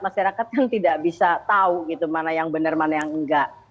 masyarakat kan tidak bisa tahu gitu mana yang benar mana yang enggak